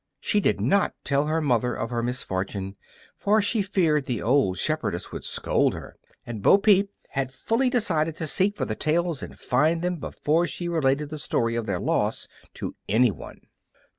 She did not tell her mother of her misfortune, for she feared the old shepherdess would scold her, and Bo Peep had fully decided to seek for the tails and find them before she related the story of their loss to any one.